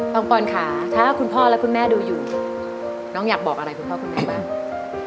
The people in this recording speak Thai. ปอนค่ะถ้าคุณพ่อและคุณแม่ดูอยู่น้องอยากบอกอะไรคุณพ่อคุณแม่บ้าง